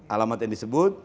alamat yang disebut